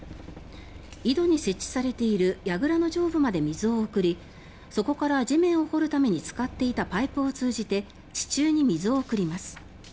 井戸に設置されているやぐらの上部まで水を送りそこから地面を掘るために使っていたパイプを通じて地中に水を送ります。